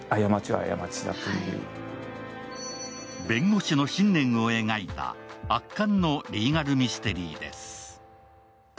弁護士の信念を描いた圧巻のリーガルミステリーです。